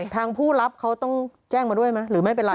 ผู้รับเขาต้องแจ้งมาด้วยไหมหรือไม่เป็นไร